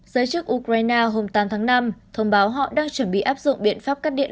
giới chức ukraine hôm tám tháng năm thông báo họ đang chuẩn bị áp dụng biện pháp cắt điện